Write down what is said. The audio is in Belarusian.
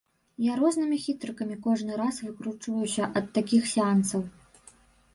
Я рознымі хітрыкамі кожны раз выкручваюся ад такіх сеансаў.